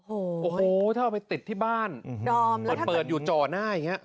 โอ้โฮถ้าเอาไปติดที่บ้านเปิดอยู่จอหน้าอย่างนี้